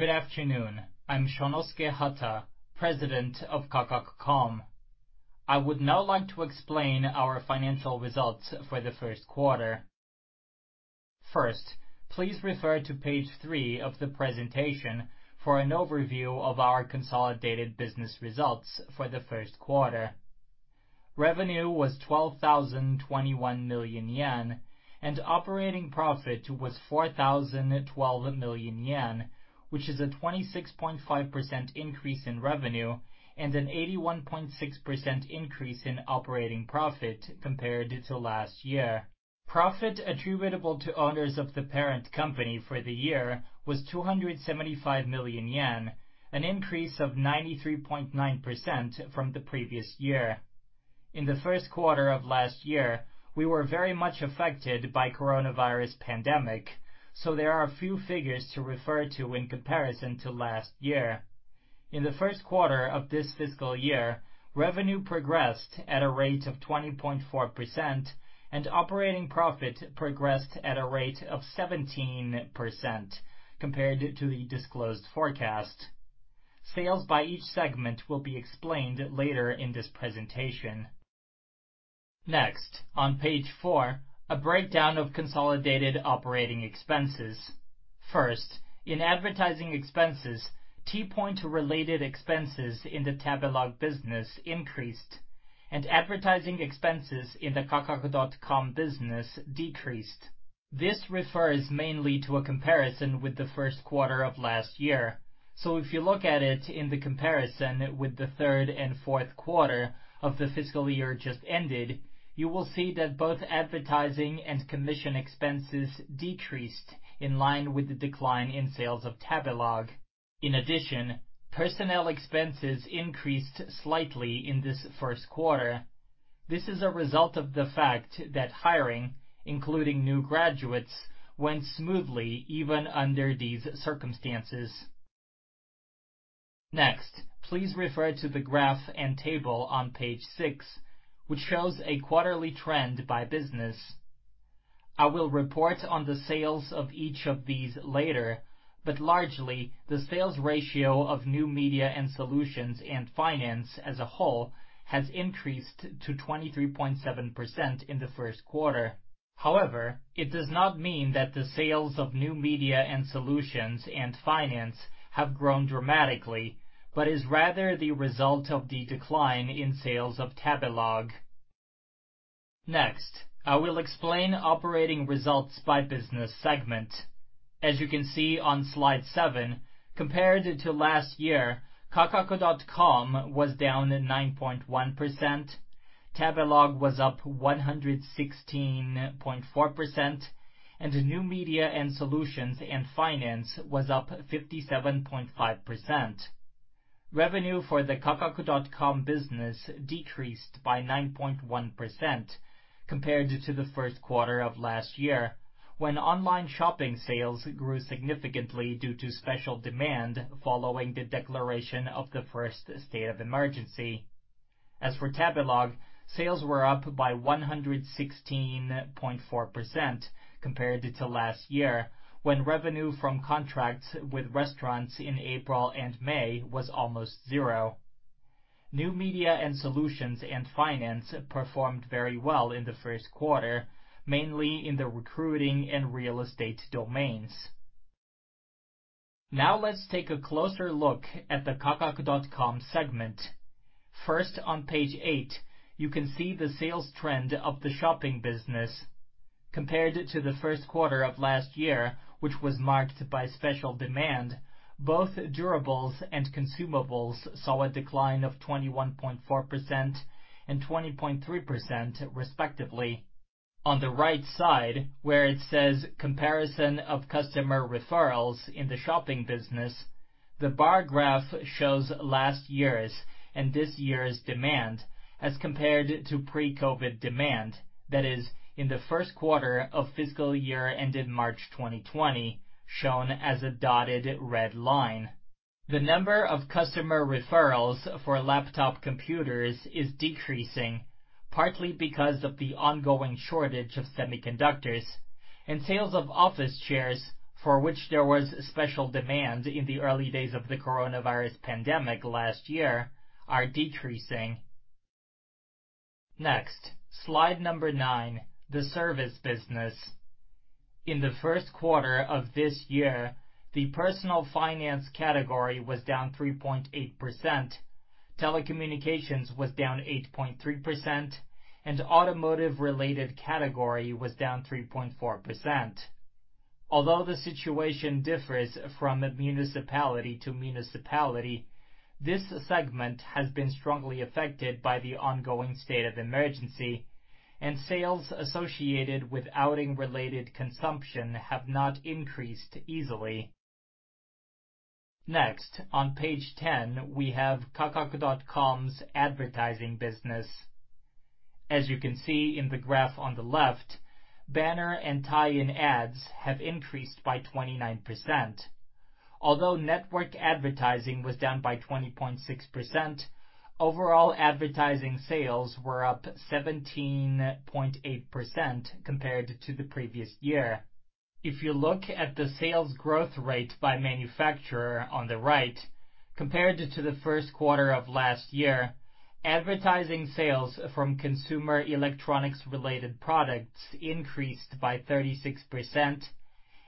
Good afternoon. I'm Shonosuke Hata, President of Kakaku.com. I would now like to explain our financial results for the first quarter. Please refer to page 3 of the presentation for an overview of our consolidated business results for the first quarter. Revenue was 12,021 million yen, and operating profit was 4,012 million yen, which is a 26.5% increase in revenue and an 81.6% increase in operating profit compared to last year. Profit attributable to owners of the parent company for the year was 275 million yen, an increase of 93.9% from the previous year. In the first quarter of last year, we were very much affected by coronavirus pandemic, so there are a few figures to refer to in comparison to last year. In the first quarter of this fiscal year, revenue progressed at a rate of 20.4% and operating profit progressed at a rate of 17% compared to the disclosed forecast. Sales by each segment will be explained later in this presentation. Next, on page 4, a breakdown of consolidated operating expenses. First, in advertising expenses, T-Point related expenses in the Tabelog business increased, and advertising expenses in the Kakaku.com business decreased. This refers mainly to a comparison with the first quarter of last year. If you look at it in the comparison with the third and fourth quarter of the fiscal year just ended, you will see that both advertising and commission expenses decreased in line with the decline in sales of Tabelog. In addition, personnel expenses increased slightly in this first quarter. This is a result of the fact that hiring, including new graduates, went smoothly even under these circumstances. Next, please refer to the graph and table on page 6, which shows a quarterly trend by business. I will report on the sales of each of these later, but largely, the sales ratio of New Media & Solutions/Finance as a whole has increased to 23.7% in the first quarter. However, it does not mean that the sales of New Media & Solutions/Finance have grown dramatically, but is rather the result of the decline in sales of Tabelog. Next, I will explain operating results by business segment. As you can see on slide 7, compared to last year, Kakaku.com was down 9.1%, Tabelog was up 116.4%, and New Media & Solutions/Finance was up 57.5%. Revenue for the Kakaku.com business decreased by 9.1% compared to the first quarter of last year, when online shopping sales grew significantly due to special demand following the declaration of the first state of emergency. As for Tabelog, sales were up by 116.4% compared to last year, when revenue from contracts with restaurants in April and May was almost zero. New Media & Solutions/Finance performed very well in the first quarter, mainly in the recruiting and real estate domains. Now let's take a closer look at the Kakaku.com segment. First, on page 8, you can see the sales trend of the shopping business. Compared to the first quarter of last year, which was marked by special demand, both durables and consumables saw a decline of 21.4% and 20.3% respectively. On the right side, where it says comparison of customer referrals in the shopping business, the bar graph shows last year's and this year's demand as compared to pre-COVID demand. That is, in the first quarter of fiscal year ended March 2020, shown as a dotted red line. The number of customer referrals for laptop computers is decreasing, partly because of the ongoing shortage of semiconductors, and sales of office chairs, for which there was special demand in the early days of the coronavirus pandemic last year, are decreasing. Next, slide number 9, the service business. In the first quarter of this year, the personal finance category was down 3.8%, telecommunications was down 8.3%, and automotive related category was down 3.4%. Although the situation differs from municipality to municipality, this segment has been strongly affected by the ongoing state of emergency, and sales associated with outing related consumption have not increased easily. Next, on page 10, we have Kakaku.com's advertising business. As you can see in the graph on the left, banner and tie-in ads have increased by 29%. Although network advertising was down by 20.6%, overall advertising sales were up 17.8% compared to the previous year. If you look at the sales growth rate by manufacturer on the right compared to the first quarter of last year, advertising sales from consumer electronics related products increased by 36%,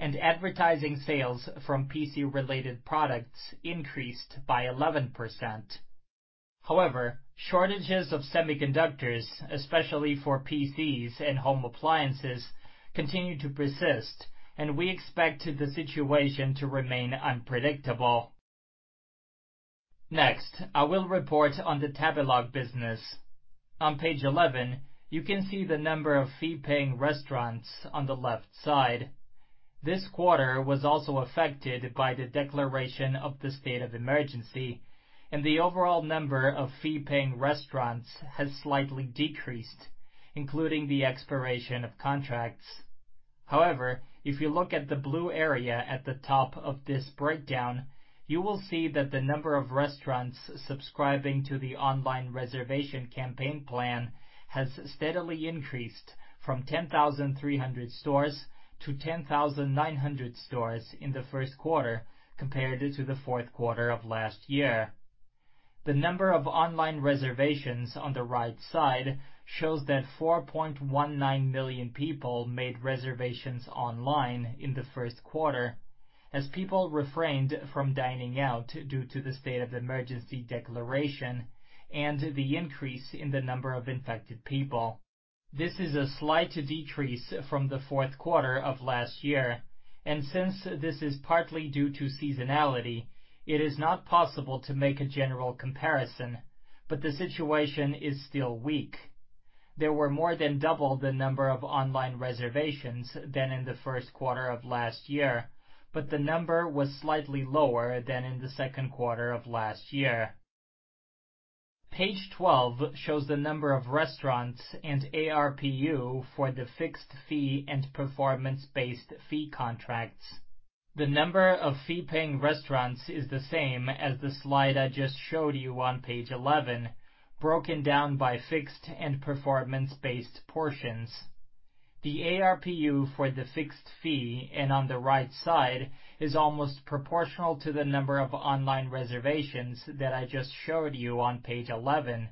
and advertising sales from PC related products increased by 11%. However, shortages of semiconductors, especially for PCs and home appliances, continue to persist, and we expect the situation to remain unpredictable. Next, I will report on the Tabelog business. On page 11, you can see the number of fee-paying restaurants on the left side. This quarter was also affected by the declaration of the state of emergency, and the overall number of fee-paying restaurants has slightly decreased, including the expiration of contracts. However, if you look at the blue area at the top of this breakdown, you will see that the number of restaurants subscribing to the online reservation campaign plan has steadily increased from 10,300 stores to 10,900 stores in the first quarter compared to the fourth quarter of last year. The number of online reservations on the right side shows that 4.19 million people made reservations online in the first quarter as people refrained from dining out due to the state of emergency declaration and the increase in the number of infected people. This is a slight decrease from the fourth quarter of last year, and since this is partly due to seasonality, it is not possible to make a general comparison, but the situation is still weak. There were more than double the number of online reservations than in the first quarter of last year, but the number was slightly lower than in the second quarter of last year. page 12 shows the number of restaurants and ARPU for the fixed fee and performance-based fee contracts. The number of fee-paying restaurants is the same as the slide I just showed you on page 11, broken down by fixed and performance-based portions. The ARPU for the fixed fee and on the right side is almost proportional to the number of online reservations that I just showed you on page 11,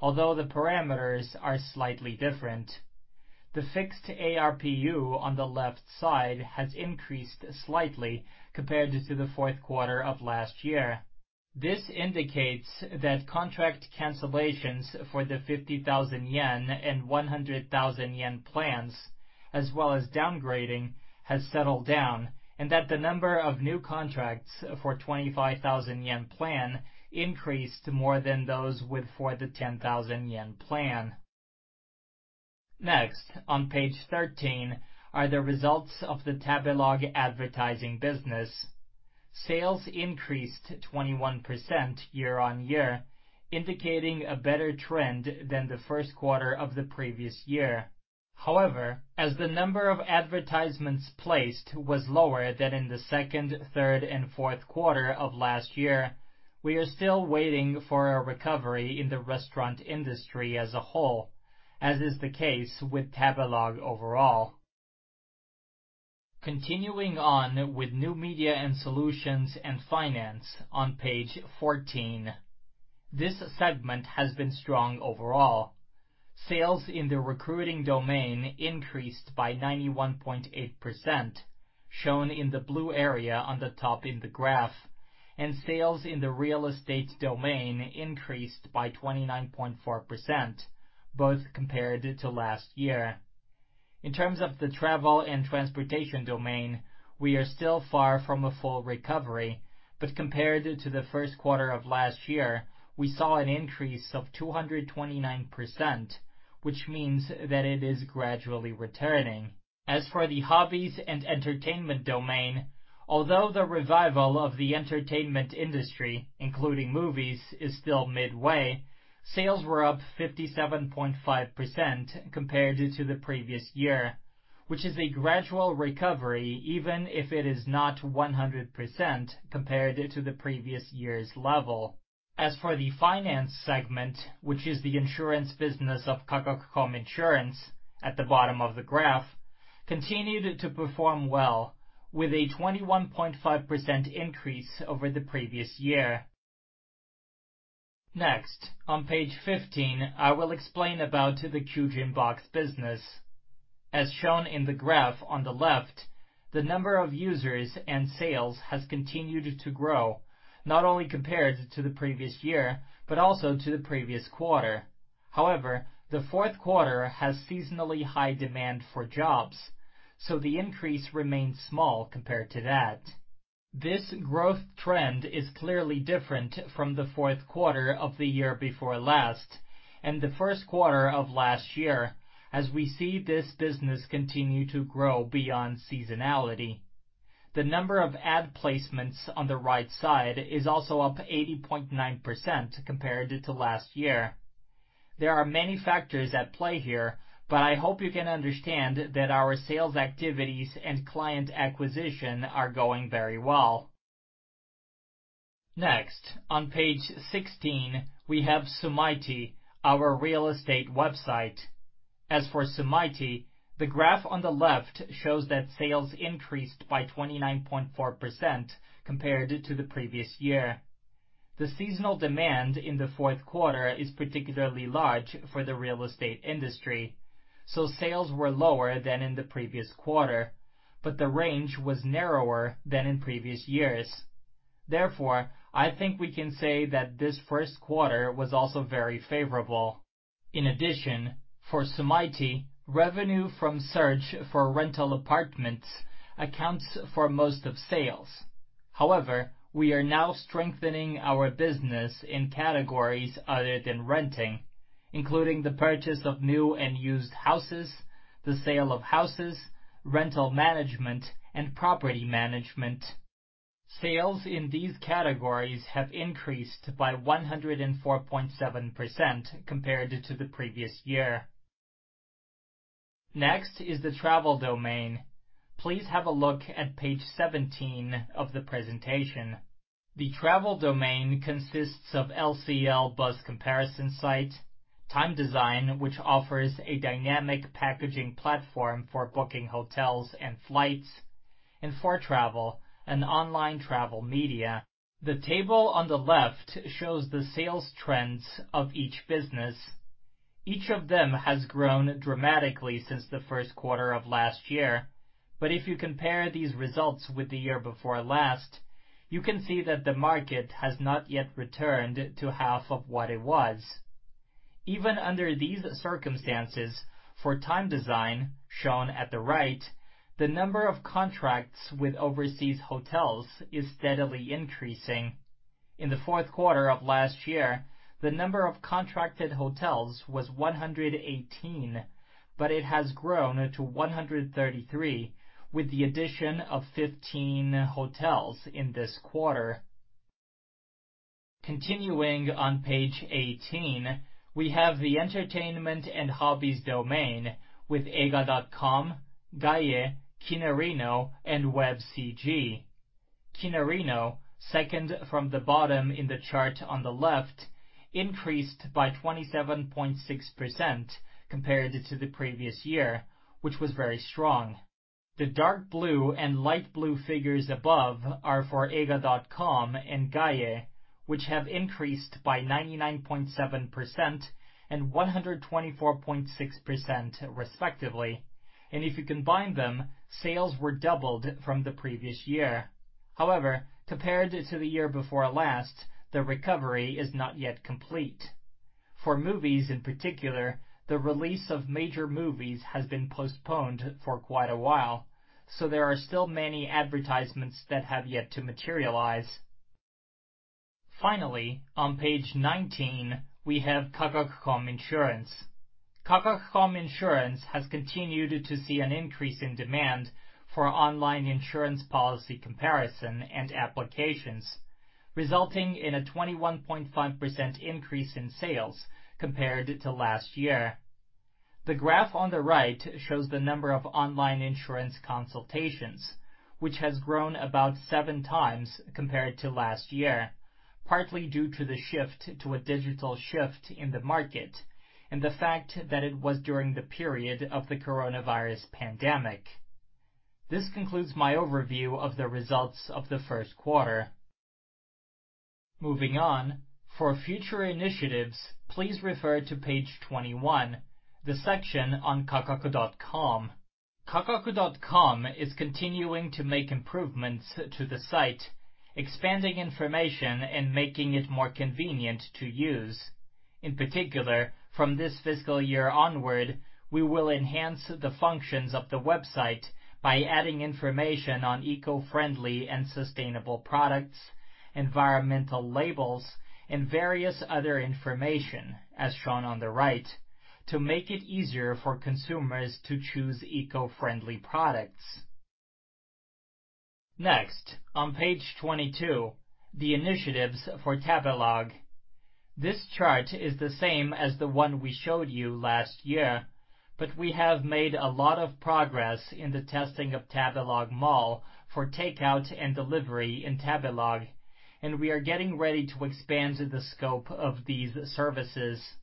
although the parameters are slightly different. The fixed ARPU on the left side has increased slightly compared to the fourth quarter of last year. This indicates that contract cancellations for the ¥50,000 and ¥100,000 plans, as well as downgrading, has settled down and that the number of new contracts for ¥25,000 plan increased more than those for the ¥10,000 plan. On page 13 are the results of the Tabelog advertising business. Sales increased 21% year-on-year, indicating a better trend than the first quarter of the previous year. As the number of advertisements placed was lower than in the second, third, and fourth quarter of last year, we are still waiting for a recovery in the restaurant industry as a whole, as is the case with Tabelog overall. Continuing on with New Media & Solutions/Finance on page 14. This segment has been strong overall. Sales in the recruiting domain increased by 91.8%, shown in the blue area on the top in the graph, and sales in the real estate domain increased by 29.4%, both compared to last year. In terms of the travel and transportation domain, we are still far from a full recovery, but compared to the first quarter of last year, we saw an increase of 229%, which means that it is gradually returning. As for the hobbies and entertainment domain, although the revival of the entertainment industry, including movies, is still midway, sales were up 57.5% compared to the previous year, which is a gradual recovery even if it is not 100% compared to the previous year's level. As for the finance segment, which is the insurance business of Kakaku.com Insurance at the bottom of the graph, continued to perform well with a 21.5% increase over the previous year. Next, on page 15, I will explain about the Kyujin Box business. As shown in the graph on the left, the number of users and sales has continued to grow, not only compared to the previous year, but also to the previous quarter. However, the fourth quarter has seasonally high demand for jobs, so the increase remains small compared to that. This growth trend is clearly different from the fourth quarter of the year before last and the first quarter of last year as we see this business continue to grow beyond seasonality. The number of ad placements on the right side is also up 80.9% compared to last year. There are many factors at play here. I hope you can understand that our sales activities and client acquisition are going very well. On page 16, we have Sumaity, our real estate website. As for Sumaity, the graph on the left shows that sales increased by 29.4% compared to the previous year. The seasonal demand in the fourth quarter is particularly large for the real estate industry, so sales were lower than in the previous quarter, but the range was narrower than in previous years. Therefore, I think we can say that this first quarter was also very favorable. In addition, for Sumaity, revenue from search for rental apartments accounts for most of sales. However, we are now strengthening our business in categories other than renting, including the purchase of new and used houses, the sale of houses, rental management, and property management. Sales in these categories have increased by 104.7% compared to the previous year. Next is the travel domain. Please have a look at page 17 of the presentation. The travel domain consists of LCL bus comparison site, Time Design, which offers a dynamic packaging platform for booking hotels and flights, and 4travel, an online travel media. The table on the left shows the sales trends of each business. Each of them has grown dramatically since the first quarter of last year. If you compare these results with the year before last, you can see that the market has not yet returned to half of what it was. Even under these circumstances, for Time Design, shown at the right, the number of contracts with overseas hotels is steadily increasing. In the fourth quarter of last year, the number of contracted hotels was 118, it has grown to 133, with the addition of 15 hotels in this quarter. Continuing on page 18, we have the entertainment and hobbies domain with Eiga.com, GAIE, Kinarino, and webCG. Kinarino, second from the bottom in the chart on the left, increased by 27.6% compared to the previous year, which was very strong. The dark blue and light blue figures above are for Eiga.com and GAIE, which have increased by 99.7% and 124.6% respectively. If you combine them, sales were doubled from the previous year. However, compared to the year before last, the recovery is not yet complete. For movies in particular, the release of major movies has been postponed for quite a while, there are still many advertisements that have yet to materialize. Finally, on page 19, we have Kakaku.com Insurance. Kakaku.com Insurance has continued to see an increase in demand for online insurance policy comparison and applications, resulting in a 21.5% increase in sales compared to last year. The graph on the right shows the number of online insurance consultations, which has grown about seven times compared to last year, partly due to the shift to a digital shift in the market and the fact that it was during the period of the coronavirus pandemic. This concludes my overview of the results of the first quarter. Moving on, for future initiatives, please refer to page 21, the section on Kakaku.com. Kakaku.com is continuing to make improvements to the site, expanding information and making it more convenient to use. In particular, from this fiscal year onward, we will enhance the functions of the website by adding information on eco-friendly and sustainable products, environmental labels, and various other information, as shown on the right, to make it easier for consumers to choose eco-friendly products. Next, on page 22, the initiatives for Tabelog. This chart is the same as the one we showed you last year, but we have made a lot of progress in the testing of Tabelog Mall for takeout and delivery in Tabelog, and we are getting ready to expand the scope of these services.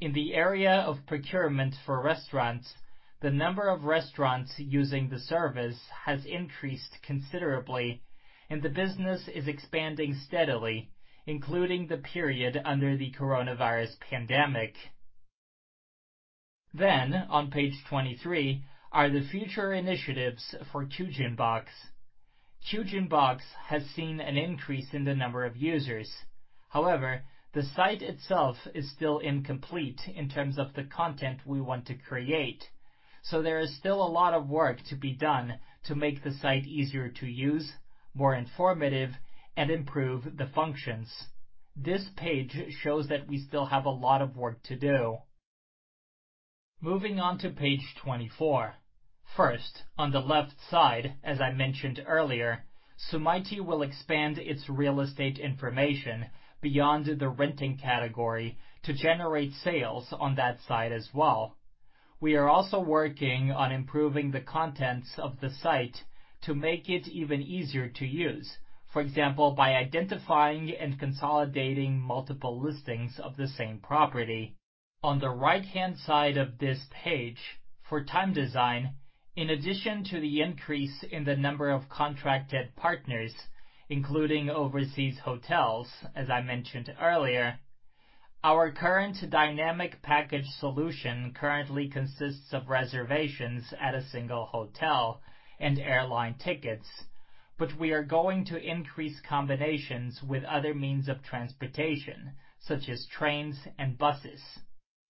In the area of procurement for restaurants, the number of restaurants using the service has increased considerably, and the business is expanding steadily, including the period under the coronavirus pandemic. On page 23, are the future initiatives for Kyujin Box. Kyujin Box has seen an increase in the number of users. However, the site itself is still incomplete in terms of the content we want to create. There is still a lot of work to be done to make the site easier to use, more informative, and improve the functions. This page shows that we still have a lot of work to do. Moving on to page 24. First, on the left side, as I mentioned earlier, Sumaity will expand its real estate information beyond the renting category to generate sales on that side as well. We are also working on improving the contents of the site to make it even easier to use. For example, by identifying and consolidating multiple listings of the same property. On the right-hand side of this page, for Time Design, in addition to the increase in the number of contracted partners, including overseas hotels as I mentioned earlier, our current dynamic packaging solution currently consists of reservations at a single hotel and airline tickets, but we are going to increase combinations with other means of transportation, such as trains and buses.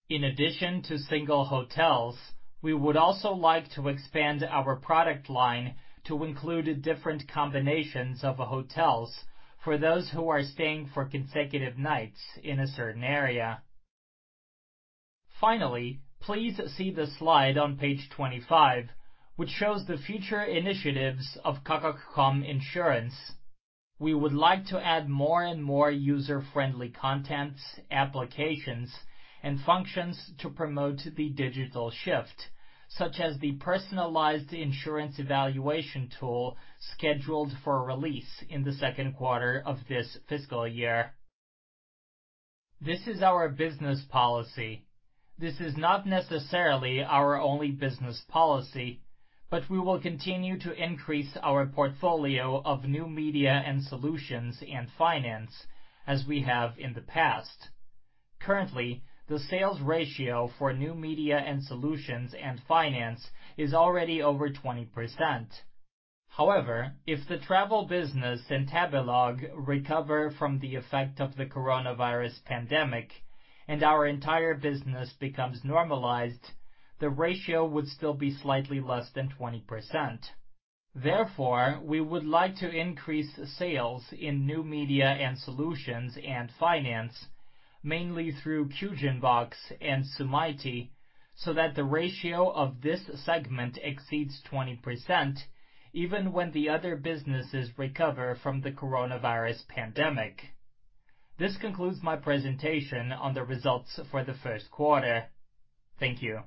In addition to single hotels, we would also like to expand our product line to include different combinations of hotels for those who are staying for consecutive nights in a certain area. Finally, please see the slide on page 25, which shows the future initiatives of Kakaku.com Insurance. We would like to add more and more user-friendly contents, applications, and functions to promote the digital shift, such as the personalized insurance evaluation tool scheduled for release in the second quarter of this fiscal year. This is our business policy. This is not necessarily our only business policy. We will continue to increase our portfolio of New Media & Solutions/Finance as we have in the past. Currently, the sales ratio for New Media & Solutions/Finance is already over 20%. However, if the travel business and Tabelog recover from the effect of the coronavirus pandemic and our entire business becomes normalized, the ratio would still be slightly less than 20%. Therefore, we would like to increase sales in New Media & Solutions and Finance, mainly through Kyujin Box and Sumaity, so that the ratio of this segment exceeds 20% even when the other businesses recover from the coronavirus pandemic. This concludes my presentation on the results for the first quarter. Thank you.